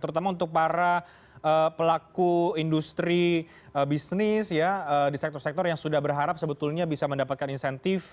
terutama untuk para pelaku industri bisnis di sektor sektor yang sudah berharap sebetulnya bisa mendapatkan insentif